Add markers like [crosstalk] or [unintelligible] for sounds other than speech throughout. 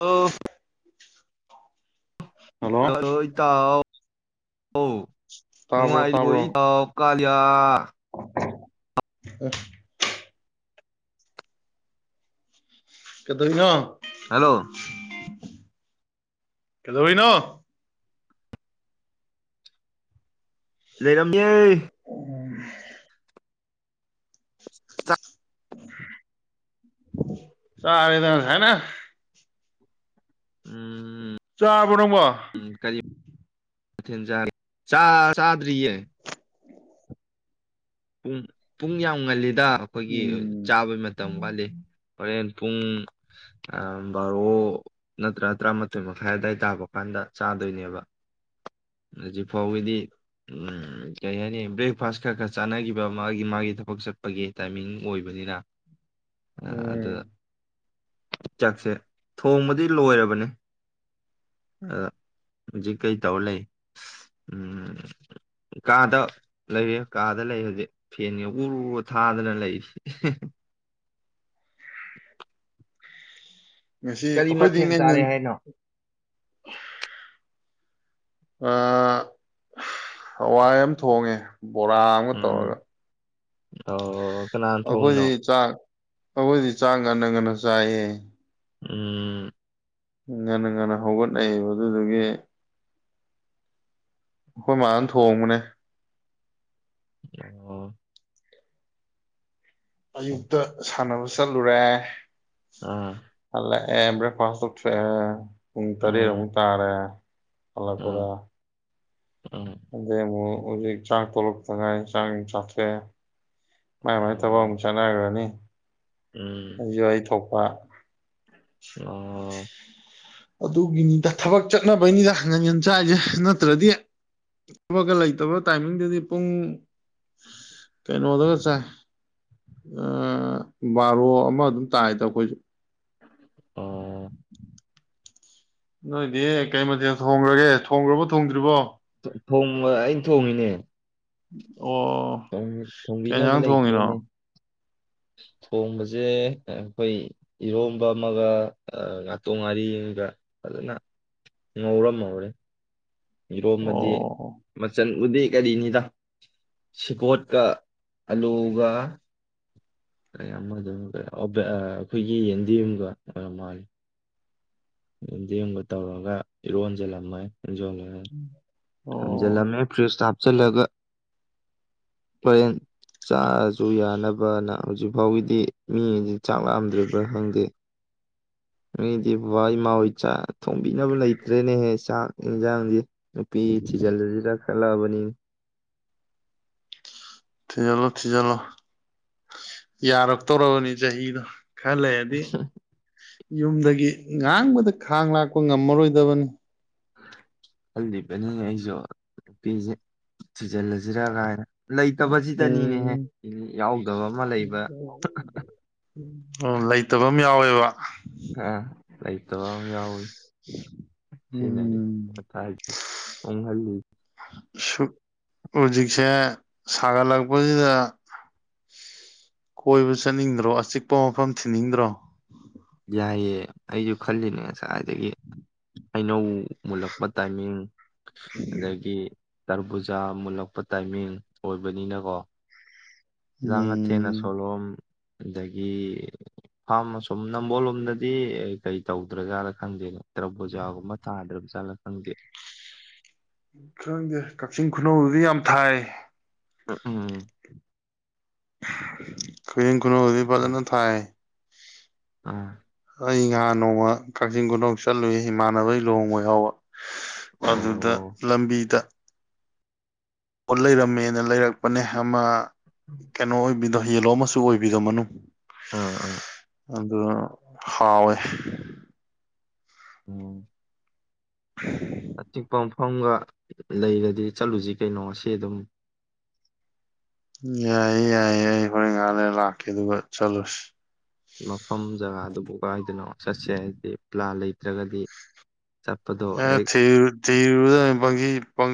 ꯑ [unintelligible] ꯍ ꯍꯜꯂꯣ ꯏ ꯇ ꯑ ꯅꯅꯨꯡꯉ ꯇꯥꯕ꯭ꯔꯣ ꯇꯥꯕ꯭ꯔꯣ ꯍꯥꯏꯗꯤꯕꯣꯣꯏ ꯀꯂꯂꯤꯌꯥ ꯑ ꯀꯗꯣꯏꯅ ꯍꯜꯂꯣ ꯀꯗꯣ ꯍꯩꯅꯣ ꯂꯩꯔꯝ ꯎꯝ ꯑ ꯆꯔꯗ ꯍꯥꯏꯅ ꯎꯝ ꯆꯥꯕ ꯅꯣꯡꯃ ꯊꯤꯟ ꯆꯥ ꯆꯥꯗ꯭ꯔꯤꯌꯦ ꯄꯨꯡ ꯄꯨꯡ ꯌꯥꯝ ꯉꯜꯂꯤꯗ ꯑꯩꯈꯣꯏꯒꯤ ꯎꯝ ꯆꯥꯕꯩ ꯃꯇꯝ ꯋꯥꯠꯂꯤ ꯍꯣꯔꯦꯟ ꯄꯨꯡ ꯕꯥꯔꯣ ꯅꯠꯇ꯭ꯔꯥ ꯇꯔꯥꯃꯥꯊꯣꯏ ꯃꯈꯥꯏ ꯑꯋꯥꯏ ꯇꯥꯕ ꯀꯥꯟꯗ ꯆꯥꯗꯣꯏꯅꯦꯕ ꯍꯧꯖꯤꯛ ꯐꯥꯎꯒꯤꯗꯤ ꯀꯔꯤ ꯍꯥꯏꯅꯤ ꯕ꯭ꯔꯦꯛꯐꯥꯁ ꯈꯔ ꯈꯔ ꯆꯥꯟꯅꯈꯤꯕ ꯃꯥꯒꯤ ꯃꯥꯒꯤ ꯊꯕꯛ ꯆꯠꯄꯒꯤ ꯇꯥꯏꯃꯤꯡ ꯑꯣꯏꯕꯅꯤꯅ ꯑꯗꯨ ꯎꯝ ꯆꯥꯛꯁꯦ ꯊꯣꯡꯕꯗꯤ ꯂꯣꯏꯔꯕꯅꯦ ꯑꯗ ꯍꯧꯖꯤꯛ ꯀꯩ ꯇꯧꯔ ꯂꯩ ꯎꯝ ꯀꯥꯗ ꯂꯩꯔꯦ ꯀꯥꯗ ꯂꯩ ꯍꯧꯖꯤꯛ ꯐꯦꯟꯒꯤ ꯎꯔꯨꯔ ꯊꯥꯗꯅ ꯂꯩꯔꯤꯁꯦ ꯉꯁꯤ ꯀꯔꯤ ꯑꯩꯈꯣꯏꯗꯤ ꯃꯊꯦꯜ ꯉꯟ ꯉ ꯆꯥꯔꯦ ꯍꯥꯏꯅꯣ ꯑ ꯍꯋꯥꯏ ꯌꯥꯝ ꯊꯣꯡꯉꯦ ꯕꯣꯔꯥ ꯑꯃ ꯎꯝ ꯇꯧꯔꯒ ꯑꯣ ꯀꯅꯥꯅ ꯊꯣꯡꯉꯤꯅꯣ ꯑꯩꯈꯣꯏꯗꯤ ꯆꯥꯛ ꯑꯩꯈꯣꯏꯗꯤ ꯆꯥꯡ ꯉꯅ ꯉꯟꯅ ꯆꯥꯏꯌꯦ ꯎꯝ ꯉꯟꯅ ꯉꯟꯅ ꯍꯧꯒꯠꯅꯩꯕꯗꯨꯗꯨꯒꯤ ꯑꯩꯈꯣꯏ ꯃꯥꯅ ꯊꯣꯡꯕꯅꯦ ꯑ ꯑꯌꯨꯛꯇ ꯁꯥꯟꯅꯕ ꯆꯂꯨꯨꯔꯦ ꯑꯥ ꯑꯦ ꯕ꯭ꯔꯦꯛꯐꯥꯁ ꯎꯨꯡ ꯇꯔꯦ ꯎꯝ ꯍꯨ ꯇꯥꯔꯦ ꯑꯥ ꯑꯜꯄꯗꯥ ꯎꯝ ꯑꯗꯦꯃꯣ ꯍꯧꯖꯤꯛ ꯆꯥꯛ ꯇꯣꯂꯛꯄ ꯉꯥꯏ ꯆꯥꯡ ꯆꯥꯊꯦ ꯃꯥꯏ ꯃꯥꯏ ꯇꯕ ꯑꯣ ꯑꯃꯨꯛ ꯆꯥꯟꯅꯈ꯭ꯔꯅꯤ ꯎꯝ ꯑꯏ ꯊꯣꯛꯄ ꯑ ꯑꯣ ꯑꯗꯨꯒꯤꯅꯤꯗ ꯊꯕꯛ ꯆꯠꯅꯕꯩꯅꯤꯗ ꯉꯪꯒꯟ ꯆꯥꯏꯁꯦ ꯅꯠꯇ꯭ꯔꯗꯤ ꯊꯕꯛꯀ ꯂꯩꯇꯕ ꯇꯥꯏꯃꯤꯡꯗꯨꯗꯤ ꯄꯨꯡ ꯀꯩꯅꯩꯅꯣ ꯑꯣꯒ ꯕꯥꯔꯣ ꯑꯃ ꯑꯗꯨꯝ ꯇꯥꯏꯗ ꯑꯩꯈꯣꯏꯁꯨ ꯑꯣ ꯅꯣꯏꯗꯤ ꯀꯩ ꯃꯊꯦꯜ ꯊꯣꯡꯈ꯭ꯔꯒꯦ ꯊꯣꯡꯈ꯭ꯔꯕꯣ ꯊꯣꯡꯗ꯭ꯔꯤꯕꯣ ꯑꯩꯅ ꯊꯣꯡꯉꯤꯅꯦ ꯎꯝ ꯑꯣ ꯊꯣꯡꯕꯤꯅꯕ ꯀꯩꯁꯥꯡ ꯊꯣꯡꯉꯤꯅꯣ ꯂꯩꯇ꯭ꯔꯦꯅꯦ ꯊꯣꯡꯕꯁꯦ ꯑꯩꯈꯣꯏ ꯏꯔꯣꯝꯕ ꯑꯃꯒ ꯉꯥꯇꯣꯡ ꯉꯥꯔꯤ ꯑꯃꯒ ꯐꯖꯅ ꯉꯧꯔꯝꯍꯧꯔꯦ ꯌꯦꯔꯣꯝ ꯑꯣ ꯑꯃꯗꯤ ꯃꯆꯜ ꯎꯗꯤ ꯀꯔꯤꯅꯤꯗ ꯁꯤꯀꯣꯠꯀ ꯑꯂꯨꯒ ꯀ ꯑꯃ ꯑꯗꯨꯝ ꯑꯩꯈꯣꯏꯒꯤ ꯌꯦꯟꯗꯤꯦꯝꯨꯝꯒ ꯑꯣꯏꯔꯝ ꯃꯥꯜꯂꯤꯦ ꯗꯤꯡꯕ ꯇꯧꯔꯒ ꯏꯔꯣꯟꯖꯜꯂꯝꯃꯣꯏ ꯖꯂꯖ ꯑꯣ ꯐ ꯆꯠꯂꯒ ꯀꯔꯦꯟ ꯆꯥꯔꯁꯨ ꯌꯥꯅꯕꯅ ꯍꯧꯖꯤꯛ ꯐꯥꯎꯒꯤꯗꯤ ꯃꯤ ꯆꯥꯛ ꯂꯥꯝꯗ꯭ꯔꯤꯕ꯭ꯔꯥ ꯈꯪꯗꯦ ꯑꯩꯗꯤ ꯕꯕꯥ ꯏꯃꯥ ꯍꯣꯏ ꯆꯥꯛ ꯊꯣꯡꯕꯤꯅꯕ ꯂꯩꯇ꯭ꯔꯦꯅꯦꯍꯦ ꯆꯥꯛ ꯌꯦꯟꯁꯥꯡꯗꯤ ꯅꯨꯄꯤ ꯊꯤꯖꯜ ꯖꯤꯂꯛ ꯀꯂꯕꯅꯤ ꯊꯤꯖꯤꯜꯂꯣ ꯊꯤꯖꯤꯜꯂꯣ ꯌꯥꯔꯛꯇꯧꯔꯕꯅꯤ ꯆꯍꯤꯗꯣ ꯈ ꯂꯩꯗꯤ ꯌꯨꯝꯗꯒꯤ ꯉꯥꯡꯕꯗ ꯈꯥꯡ ꯂꯥꯛꯄ ꯉꯝꯃꯔꯣꯏꯗꯕꯅꯤ ꯈꯜꯂꯤꯕꯅꯤꯅꯦ ꯑꯩꯁꯨ ꯅꯨꯄꯤꯁꯦ ꯊꯤꯖꯤꯜꯂꯁꯤꯔꯥ ꯀꯥꯏꯅ ꯂꯩꯇꯕꯁꯤꯗꯅꯤꯅꯦꯍꯦ ꯎꯝ ꯌꯥꯎꯗꯕ ꯑꯃ ꯂꯩꯕ ꯑꯗꯨꯝ ꯌꯥꯎꯋꯦꯕ ꯇ ꯌꯥꯎꯋꯤ ꯁꯤꯅ ꯎꯝ ꯊ ꯍꯥꯏ ꯑꯣꯣꯡꯍꯔ ꯁꯨ ꯍꯨꯖꯤꯛꯁꯦ ꯁꯥꯒꯠꯂꯛꯄꯖꯤꯗ ꯀꯣꯏꯕ ꯆꯠꯅꯤꯡꯗ꯭ꯔꯣ ꯑꯆꯤꯛꯄ ꯃꯐꯝ ꯊꯤꯟꯅꯤꯡꯗ꯭ꯔꯣ ꯌꯥꯏꯌꯦ ꯑꯩꯖꯤ ꯈꯜꯂꯤꯅꯦ ꯉꯁꯥꯏꯗꯒꯤ ꯑꯩꯅꯧ ꯃꯨꯜꯂꯛꯄ ꯇꯥꯏꯃꯤꯡ ꯑꯗꯒꯤ ꯇꯔꯕꯨꯖꯥ ꯃꯨꯜꯂꯛꯄ ꯇꯥꯏꯃꯤꯡ ꯑꯣꯏꯕꯅꯤꯅꯀꯣ ꯂꯥꯡꯉꯊꯦꯜ ꯎꯝ ꯑꯥꯁꯣꯂꯣꯝ ꯑꯗꯒꯤ ꯐꯥꯝ ꯑꯁꯨꯝ ꯅꯝꯕꯣꯜꯂꯣꯝꯗꯗꯤ ꯀꯩ ꯇꯧꯗ꯭ꯔ ꯖꯥꯠꯂ ꯈꯪꯗꯦ ꯇ꯭ꯔꯕꯨꯖꯥꯒꯨꯝꯕ ꯊꯥꯗ꯭ꯔꯕ ꯖꯥꯠꯂ ꯈꯪꯗꯦ ꯎ ꯈꯪꯗꯦ ꯀꯛꯆꯤꯡ ꯈꯨꯅꯧꯗꯗꯤ ꯌꯥꯝ ꯊꯥꯏ ꯎꯝ ꯈꯣꯏꯅꯤꯡ ꯊꯣꯅꯣ ꯍꯣꯏꯗꯤ ꯎꯝ ꯐꯖꯅ ꯊꯥꯏ ꯑꯥ ꯑꯩ ꯉꯍꯥꯟ ꯅꯣꯡꯃ ꯀꯛꯆꯤꯡ ꯈꯨꯨꯅꯧ ꯆꯠꯂꯨꯏ ꯏꯃꯥꯟꯅꯕꯩ ꯂꯨꯍꯣꯡꯕ ꯌꯥꯎꯕ ꯍꯥ ꯑꯗꯨꯗ ꯑꯣ ꯂꯝꯕꯤꯗ ꯂꯩꯔꯝꯃꯦꯅ ꯂꯩꯔꯛꯄꯅꯦ ꯑꯃ ꯀꯩꯅꯣ ꯑꯣꯏꯕꯤꯗꯣ ꯌꯦꯂꯣ ꯃꯁꯨ ꯑꯣꯏꯕꯤꯗꯣ ꯃꯅꯨꯡ ꯑꯥ ꯑꯥ ꯑꯗꯨ ꯍꯥꯎꯋꯦ ꯎꯝ [inaudible] ꯑꯆꯤꯛꯄ ꯃꯐꯝꯒ ꯂꯩꯔꯗꯤ ꯆꯠꯂꯨꯖꯤ ꯀꯩꯅꯣ ꯉꯁꯤ ꯑꯗꯨꯝ ꯌꯥꯏꯌꯦ ꯌꯥꯏꯌꯦ ꯑꯩ ꯍꯣꯔꯦꯟ ꯉꯥꯛ ꯂꯩꯔꯂꯥꯛꯀꯦ ꯑꯗꯨꯒ ꯆꯠꯂꯨꯁꯤ ꯃꯐꯝ ꯖꯒꯥꯗꯨꯕꯨ ꯀꯥꯏꯗꯅꯣ ꯆꯠꯁꯦ ꯍꯥꯏꯗꯤ ꯄꯂꯥꯟ ꯂꯩꯇ꯭ꯔꯒꯗꯤ ꯆꯠꯄꯗꯣ ꯑꯦ ꯍꯦꯛ ꯊꯤꯔꯨ ꯊꯤꯔꯨꯔꯗꯃꯤ ꯄꯪꯊꯤ ꯪꯄꯪ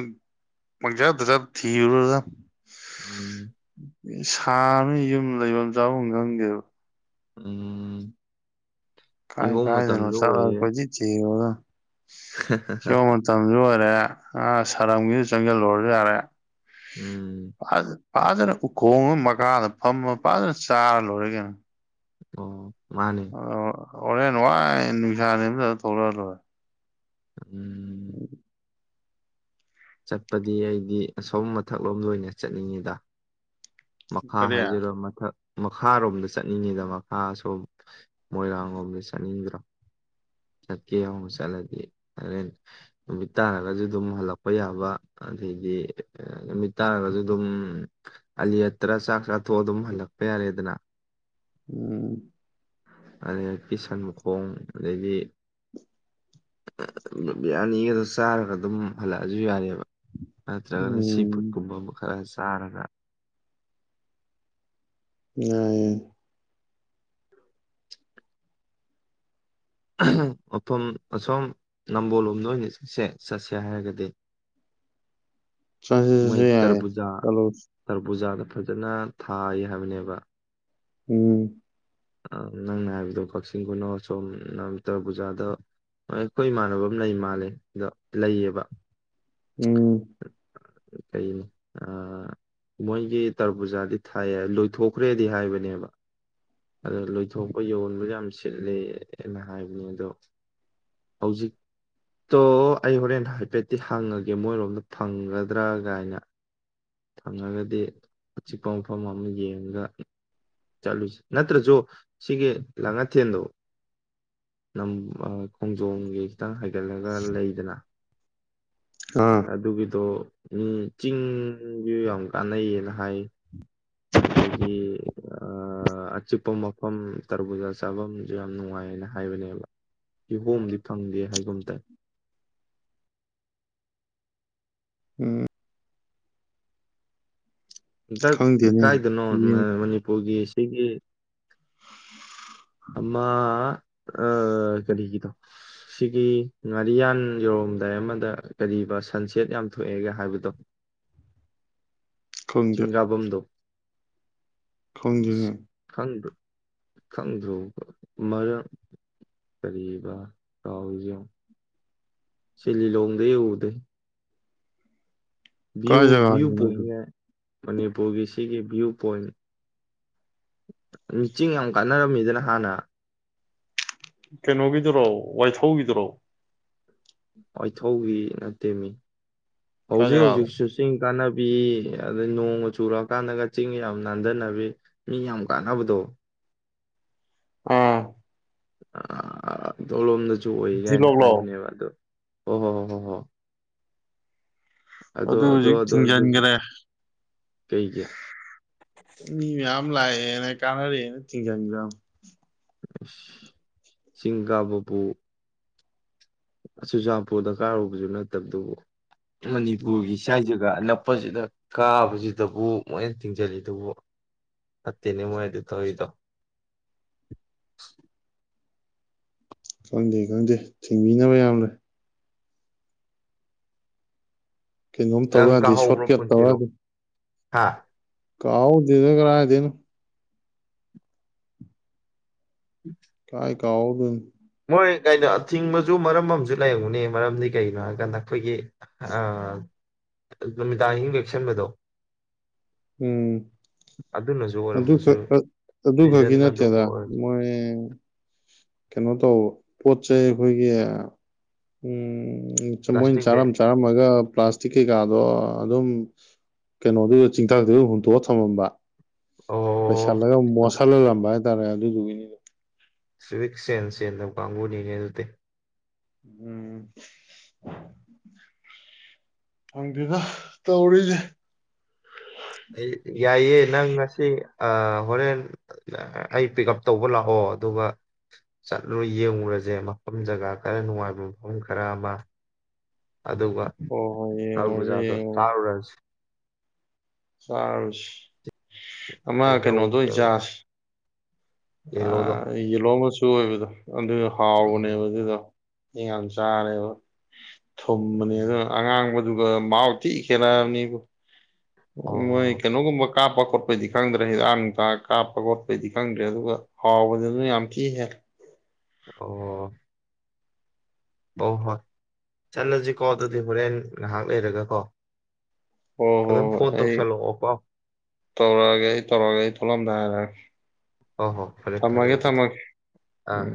ꯄꯪꯆꯠꯇ ꯆꯠ ꯊꯤꯔꯨꯔꯗꯃꯤ ꯎꯝ ꯁꯥꯕꯅꯤ ꯌꯨꯝ ꯂꯩꯕꯝ ꯆꯥꯕꯝ ꯈꯪꯗꯦꯕ ꯎꯝ ꯀꯥꯏ ꯀꯤꯍꯣꯝ ꯀꯥꯏꯗꯅꯣ ꯃꯇꯝꯁꯨ ꯆꯠꯂ ꯑꯣꯏꯌꯦ ꯀꯣꯏꯊꯤ ꯊꯤꯔꯨꯔꯗꯧꯅꯤ ꯀꯤꯍꯣꯝ ꯃꯇꯝꯖꯨ ꯑꯣꯏꯔꯦ ꯑꯥ ꯁꯔꯝꯒꯤꯗ ꯆꯪꯖꯜꯂꯨꯔꯖꯨ ꯌꯥꯔꯦ ꯎꯝ ꯐꯥꯖꯅ ꯎꯈꯣꯡ ꯑꯃ ꯃꯈꯥꯗ ꯐꯝꯃ ꯐꯥꯖꯅ ꯆꯥꯔ ꯂꯣꯏꯔꯦ ꯀꯩꯅꯣ ꯑꯣ ꯃꯥꯅꯦ ꯑꯗꯣ ꯍꯣꯔꯦꯟ ꯋꯥꯏ ꯅꯨꯡꯁꯥ ꯅꯦꯝꯗꯔ ꯊꯣꯔꯛꯑ ꯂꯣꯌꯔꯦ ꯎꯝ ꯎꯝ ꯆꯠꯄꯗꯤ ꯑꯩꯗꯤ ꯑꯁꯣꯝ ꯃꯊꯛꯂꯣꯝꯗ ꯑꯣꯏꯅ ꯆꯠꯅꯤꯡꯉꯤꯗ ꯃꯈꯥ ꯀꯔꯤ ꯍꯥꯏꯖꯔ ꯃꯊꯛ ꯃꯈꯥꯔꯣꯝꯗ ꯆꯠꯅꯤꯡꯉꯤꯗ ꯃꯈꯥ ꯁꯣꯝ ꯃꯣꯏꯔꯥꯡꯂꯣꯝꯗ ꯆꯠꯅꯤꯡꯗ꯭ꯔꯣ ꯆꯠꯀꯦ ꯑꯃꯨ ꯆꯠꯂꯗꯤ ꯍꯣꯔꯦꯟ ꯅꯨꯃꯤꯠ ꯇꯥꯔꯒꯁꯨ ꯑꯗꯨꯝ ꯍꯜꯂꯛꯄ ꯌꯥꯕ ꯑꯗꯩꯗꯤ ꯅꯨꯃꯤꯠ ꯇꯥꯔꯒꯁꯨ ꯑꯗꯨꯝ ꯑꯂꯤꯂꯤꯌꯥꯌꯥꯠꯇ꯭ꯔ ꯆꯥꯛ ꯆꯥꯊꯣꯛꯑ ꯑꯗꯨꯝ ꯍꯜꯂꯛꯄ ꯌꯥꯔꯦꯗꯅ ꯎꯝ ꯑꯗꯩ ꯀꯤꯁꯟ ꯃꯈꯣꯡ ꯑꯗꯩꯗꯤ ꯕꯤꯔꯌꯥꯅꯤꯒꯗ ꯆꯥꯔꯒ ꯑꯗꯨꯝ ꯍꯜꯂꯛꯑꯁꯨ ꯌꯥꯔꯕ ꯇ꯭ꯔꯒ ꯁꯤ ꯐꯨꯠ ꯎꯝ ꯀꯨꯝ ꯑꯃ ꯈꯔ ꯆꯔꯒ ꯎꯝ ꯃꯐꯝ ꯑꯁꯣꯝ ꯅꯝꯕꯣꯜꯂꯣꯝꯗ ꯑꯣꯏꯅ ꯆꯠꯁꯦ ꯆꯠꯁꯦ ꯍꯥꯏꯔꯒꯗꯤ ꯆꯁꯦ ꯃꯣꯏ ꯆꯁꯦ ꯌꯥꯢ ꯇꯔꯕꯨꯖꯥ ꯆꯂꯣꯁꯤ ꯇꯔꯕꯨꯖꯥꯗ ꯐꯖꯅ ꯊꯥꯏ ꯍꯥꯏꯕꯅꯦꯕ ꯎꯝ ꯅꯪꯅ ꯍꯥꯏꯕꯗꯣ ꯀꯛꯆꯤꯡ ꯈꯨꯅꯧ ꯑꯁꯣꯝ ꯇꯔ ꯄꯨꯖꯥꯗ ꯑꯩꯈꯣꯏ ꯏꯃꯥꯟꯅꯕ ꯑꯃ ꯂꯩ ꯃꯥꯜꯂꯦꯗ ꯂꯩꯌꯦꯕ ꯎꯝ ꯀꯩꯅꯤ ꯃꯣꯏꯒꯤ ꯇꯔ ꯄꯨꯖꯥꯗꯤ ꯊꯥꯏꯌꯦ ꯂꯣꯏꯊꯣꯛꯈ꯭ꯔꯦꯗꯤ ꯍꯥꯏꯕꯅꯦꯕ ꯑꯗꯣ ꯂꯣꯏꯊꯣꯛꯄ ꯌꯣꯟꯕ ꯌꯥꯝ ꯁꯤꯠꯂꯦꯅ ꯍꯥꯏꯕꯅꯦ ꯑꯗꯣ ꯍꯧꯖꯤꯛꯇꯣ ꯑꯩ ꯍꯣꯔꯦꯟ ꯍꯥꯏꯐꯦꯠꯇꯤ ꯍꯪꯉꯒꯦ ꯃꯣꯏꯔꯣꯝꯗ ꯐꯪꯒꯗ꯭ꯔꯥ ꯀꯥꯏꯅ ꯐꯪꯉꯒꯗꯤ ꯑꯆꯤꯛꯄ ꯃꯐꯝ ꯑꯃ ꯌꯦꯡꯉꯒ ꯆꯠꯂꯨꯁꯤ ꯅꯠꯇ꯭ꯔꯁꯨ ꯁꯤꯒꯤ ꯂꯥꯡꯉꯊꯦꯟꯗꯣ ꯅꯝ ꯈꯣꯡꯖꯣꯝꯒꯤ ꯈꯤꯇꯪ ꯍꯥꯏꯒꯠꯂꯒ ꯂꯩꯗꯅ ꯑꯥ ꯑꯗꯨꯒꯤꯗꯣ ꯃꯤ ꯆꯤꯡꯁꯨ ꯌꯥꯝ ꯀꯥꯟꯅꯩꯌꯦꯅ ꯍꯥꯏ ꯑꯗꯒꯤ ꯑ ꯑꯆꯤꯛꯄ ꯃꯐꯝ ꯇꯔꯨꯕꯨꯖ ꯆꯥꯐꯝꯁꯨ ꯌꯥꯝ ꯅꯨꯡꯉꯥꯏꯌꯦꯅ ꯍꯥꯏꯕꯅꯦꯕ ꯀꯤꯍꯣꯝꯗꯤ ꯐꯪꯗꯦ ꯍꯥꯏꯒꯨꯝ ꯇꯥꯏ ꯎꯝ ꯑ ꯈꯪꯗꯦꯅꯦ ꯀꯥꯏꯗꯅꯣ ꯌꯦꯡ ꯃꯅꯤꯄꯨꯔꯒꯤ ꯗꯒꯤ [unintelligible] ꯑꯃ ꯀꯔꯤꯒꯤꯗꯣ ꯁꯤꯒꯤ ꯉꯥꯔꯤꯌꯥꯟ ꯌꯧꯔꯝꯗꯥꯏ ꯑꯃꯗ ꯀꯔꯤꯕ ꯁꯟꯁꯦꯠ ꯌꯥꯝ ꯊꯣꯛꯑꯦꯒ ꯍꯥꯏꯕꯗꯣ ꯈꯪꯗꯦ ꯆꯤꯡꯒꯥꯕꯝꯗ ꯈꯪꯗꯦꯅꯦ ꯈꯪꯣ ꯈꯪꯗ꯭ꯔꯣ ꯃꯔꯝ ꯀꯔꯤꯕꯥ ꯀꯥꯎꯁꯤꯣ ꯆꯤꯜꯂꯤ ꯂꯣꯡꯣꯡꯗ ꯎꯗ ꯚ꯭ꯌꯨ ꯀꯥꯏ ꯚ꯭ꯌꯨ ꯖꯒꯥꯒꯤꯅꯣ ꯑꯗꯨ ꯄꯉꯦ ꯃꯅꯤꯄꯨꯔꯒꯤ ꯁꯤꯒꯤ ꯚ꯭ꯌꯨ ꯄꯣꯏꯟ ꯃꯤꯆꯤꯡ ꯌꯥꯝ ꯀꯥꯟꯅꯔꯝꯃꯤꯗꯅ ꯍꯥꯟꯅ ꯀꯩꯅꯣꯒꯤꯗꯨꯔꯣ ꯋꯥꯏꯊꯧꯒꯤꯗꯨꯔꯣ ꯋꯥꯏꯊꯧꯧꯕꯤ ꯅꯠꯇꯦꯝꯃꯤ ꯀꯥꯏ ꯍꯧꯖꯤꯛ ꯖꯒꯥꯅꯣ ꯍꯧꯖꯤꯛꯁꯨ ꯆꯤꯡ ꯀꯥꯟꯅꯕ ꯑꯗꯩ ꯅꯣꯡꯃ ꯆꯨꯔꯛꯀꯥꯟꯗꯒ ꯆꯤꯡꯒ ꯌꯥꯝ ꯅꯥꯟꯊꯟꯅꯕꯤ ꯃꯤ ꯌꯥꯝ ꯀꯥꯟꯅꯕꯗꯣ ꯑꯥ ꯑꯧꯂ ꯁꯨ ꯑꯣꯏ ꯀꯥꯏꯅ ꯖꯤꯂꯣꯛꯂꯣ ꯍꯥꯏꯕꯅꯦꯕ ꯑꯗꯣ ꯑꯣ ꯍꯣ ꯍ ꯍ ꯍ ꯑꯗꯨ ꯍꯧꯖꯤꯛ ꯑꯗꯣ ꯑꯗꯨꯁꯨ ꯊꯤꯡꯖꯤꯟꯈ꯭ꯔꯦ ꯀꯩꯒꯤ ꯃꯤ ꯌꯥꯝ ꯌꯥꯝ ꯂꯅꯦ ꯀꯥꯟꯅꯔꯤꯅ ꯊꯤꯡ ꯆꯤꯡꯒꯥꯕꯕꯨ ꯆꯨꯔꯆꯥꯟꯄꯨ ꯗꯔꯀꯥꯔ ꯑꯣꯏꯕꯁꯨ ꯅꯠꯇꯕꯗꯨꯕꯨ ꯃꯅꯤꯄꯨꯔꯒꯤ ꯁ꯭ꯋꯥꯥꯏꯖ ꯅꯞꯄꯁꯤꯗ ꯀꯥꯕꯁꯤꯗꯕꯨ ꯃꯣꯏ ꯇꯤꯡꯁꯤꯜꯂꯤꯗꯨꯕꯨ ꯐꯠꯇꯦꯅꯦ ꯃꯣꯏꯗ ꯇꯧꯔꯤꯗꯣ ꯈꯪꯗꯦ ꯈꯪꯗꯦ ꯊꯤꯡꯕꯤꯅꯕ ꯌꯥꯝ ꯂꯩꯦ ꯀꯩꯅꯣꯝ ꯇꯧꯔꯛꯗꯤ ꯁꯣꯔꯠꯀꯠ ꯇꯧꯔꯗꯤ ꯍꯥꯥ ꯀꯥ ꯍꯗꯗ ꯀꯥꯑ ꯇꯅ ꯎꯝ ꯀꯥꯏ ꯀꯥꯎꯑꯣ ꯑꯗꯨ ꯍꯣꯏ ꯀꯩꯅꯣꯊꯤꯡꯕꯁꯨ ꯃꯔꯝ ꯑꯃꯁꯝꯨ ꯂꯩꯔꯝꯅꯤ ꯃꯔꯝꯗꯤ ꯀꯒꯤꯅꯣ ꯍꯥꯏꯔꯀꯥꯟꯗ ꯑꯩꯈꯣꯏꯒꯤ ꯅꯨꯃꯤꯗꯥꯡꯍꯤꯡꯒꯦꯛꯁꯟꯕꯗꯣ ꯎꯝ ꯑꯗꯨꯛ ꯑꯣꯏꯔꯝꯕꯁꯨ ꯑꯗꯨ ꯔꯤꯖꯟ ꯈꯛꯀꯤ ꯑꯗꯨꯝꯕ ꯅꯠꯇꯦꯗ ꯑꯣꯏꯔꯁꯨ ꯃꯣꯏ ꯀꯩꯅꯣ ꯀꯩꯅꯣ ꯇꯧꯕ ꯄꯣꯠ ꯆꯩ ꯑꯩꯈꯣꯏꯒꯤ ꯎꯝ ꯎ ꯃꯣꯏꯅ ꯄ꯭ꯂꯥꯁꯇꯤꯛ ꯕꯦꯛ ꯆꯥꯔꯝ ꯆꯥꯔꯝꯃꯒ ꯄ꯭ꯂꯥꯁꯇꯤ ꯤꯛ ꯀꯩꯀꯥꯗꯣ ꯑꯗꯨꯝ ꯀꯩꯅꯣꯗꯨ ꯆꯤꯡꯊꯥꯛꯗꯨ ꯍꯨꯟꯇꯣꯛꯑ ꯊꯝꯃꯝꯕ ꯑꯣ ꯄꯩꯁꯥꯂꯒ ꯃꯁꯂꯣ ꯂꯝꯕ ꯍꯥꯏꯇꯥꯔꯦ ꯑꯗꯨꯗꯨꯒꯤꯅꯤꯗꯣ ꯁ꯭ꯋꯤꯛ ꯁꯦꯟꯁꯦꯟꯗ ꯀꯥꯡꯕꯨꯨꯅꯤ ꯅꯩꯅꯔꯇꯦ ꯎꯝ ꯐꯪꯗꯦꯗ ꯇꯧꯔꯤꯁꯦ ꯑꯩ ꯌꯥꯏꯌꯦꯦ ꯅꯪ ꯉꯁꯤ ꯍꯣꯔꯦꯟ ꯑꯩ ꯄꯤꯛ ꯎꯞ ꯇꯧꯕ ꯂꯥꯛꯑꯣ ꯑꯗꯨꯒ ꯆꯠꯂꯨꯔ ꯌꯦꯡꯉꯨꯔꯁꯦ ꯃꯐꯝ ꯖꯒꯥ ꯈꯔ ꯅꯨꯡꯉꯥꯏꯕ ꯃꯐꯝ ꯈꯔ ꯑꯃ ꯑꯗꯨꯒ ꯍꯣꯏ ꯍꯣꯏ ꯇꯥꯔꯨ ꯌꯦꯡꯉꯨꯔꯁꯤ ꯄꯨꯖꯥꯗꯣ ꯆꯥꯔ ꯔꯟꯁ ꯐ꯭ꯔꯥꯟꯁ ꯑꯃ ꯍꯩꯅꯧ ꯀꯩꯅꯩꯅꯣꯗ ꯆꯥꯁ ꯑ ꯌꯦꯜꯂꯣꯗꯣ ꯏꯂ ꯆꯣꯏꯕꯗꯣ ꯑꯗꯨ ꯑ ꯍꯥꯎꯕꯅꯦꯕ ꯎꯝ ꯑꯗꯨꯗ ꯌꯦ ꯌꯥꯝꯜ ꯆꯥꯔꯦꯕ ꯊꯨꯝꯕꯅꯦ ꯑꯣ ꯑꯉꯥꯡꯕ ꯑꯗꯨꯒ ꯃꯥꯎꯇꯤ ꯈꯦꯅꯅꯤꯕꯨ ꯃꯣꯏ ꯑꯣ ꯀꯩꯅꯣ ꯀꯕꯥꯛ ꯀꯥꯞꯄ ꯈꯣꯠꯄꯗꯤ ꯈꯪꯗ꯭ꯔꯦ ꯍꯤꯗꯥꯛꯥꯡ ꯅꯨꯡꯗꯥꯥꯡ ꯀꯥꯞꯄ ꯈꯣꯠꯄꯩꯗꯤ ꯈꯪꯗ꯭ꯔꯦ ꯑꯗꯨꯒ ꯍꯥꯎꯕꯗꯅ ꯌꯥꯝ ꯊꯤ ꯍꯦꯜ ꯑꯣ ꯑꯣ ꯍꯣꯏ ꯆꯠꯅꯁꯤꯀꯣ ꯑꯗꯨꯗꯤ ꯍꯣꯔꯦꯟ ꯉꯥꯏꯍꯥꯛ ꯂꯩꯔꯒꯀꯣ ꯍꯣ ꯍꯣ ꯑꯗꯨꯝ ꯍꯣꯏ ꯐꯣꯟ ꯑꯩ ꯇꯧꯁꯜꯂꯛꯑꯣꯀꯣ ꯇꯧꯔꯛꯑꯒꯦ ꯑꯩ ꯇꯧꯔꯛꯒꯦ ꯑꯩ ꯊꯣꯛꯂꯝꯗꯥ ꯍꯥꯏꯔꯒꯦ ꯍ ꯍꯣ ꯐꯔꯦ ꯐꯔꯦ ꯑꯗꯨꯗꯤ ꯑꯥ ꯎꯝ